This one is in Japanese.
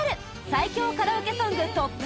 最強カラオケソングＴＯＰ